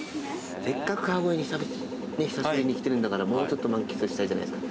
せっかく川越にねっ久しぶりに来てるんだからもうちょっと満喫したいじゃないですか。